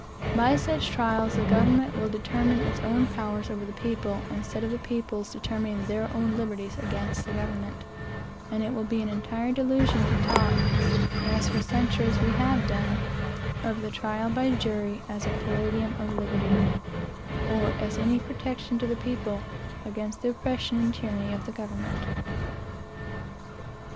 By such trials the government will determine its own powers over the people, instead of the people's determining their own liberties against the government; and it will be an entire delusion to talk, as for centuries we have done, of the trial by jury, as a "palladium of liberty," or as any protection to the people against the oppression and tyranny of the government.